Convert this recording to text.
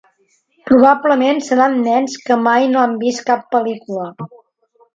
Probablement seran nens que mai no han vist cap pel·lícula.